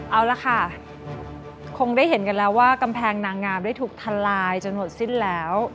เอาละค่ะคงได้เห็นกันแล้วว่ากำแพงนางงามได้ถูกทลายจนหมดสิ้นแล้ว